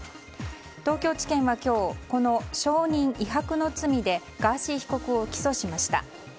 東京地検は今日、この証人威迫の罪でガーシー被告を起訴しました。